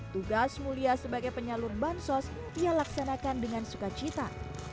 tugas mulia sebagai penyalur bansos ia laksanakan dengan sukacita